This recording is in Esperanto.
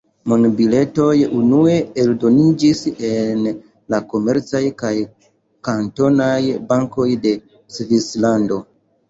Monbiletoj unue eldoniĝis en la komercaj kaj kantonaj bankoj de Svislando.